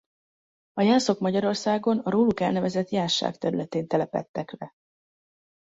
A jászok Magyarországon a róluk elnevezett Jászság területén telepedtek le.